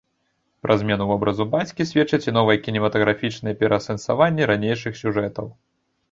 Пра змену вобразу бацькі сведчаць і новыя кінематаграфічныя пераасэнсаванні ранейшых сюжэтаў.